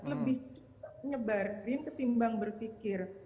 lebih cepat nyebarin ketimbang berpikir